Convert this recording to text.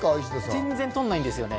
全然取らないですね。